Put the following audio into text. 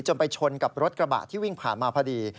ไปชนกับรถกระบะที่วิ่งผ่านมาพอดี